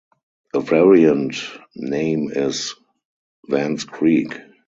A variant name is "Vans Creek".